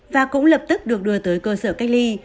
và cũng lập tức được đưa tới cơ sở cách ly